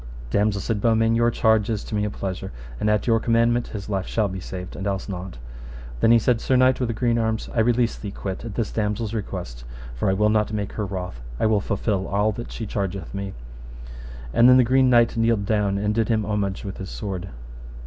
Damosel, said Beaumains, your charge is to me a pleasure, and at your commandment his life shall be saved, and else not. Then he said, Sir knight with the green arms, I release thee quit at this damosel's request, for I will not make her wroth, I will fulfil all that she chargeth me. And then the Green Knight kneeled down, and did him homage with his sword.